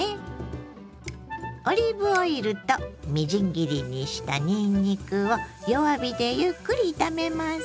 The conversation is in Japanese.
オリーブオイルとみじん切りにしたにんにくを弱火でゆっくり炒めます。